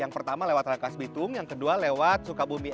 yang pertama lewat rangkas bitung yang kedua lewat sukabumi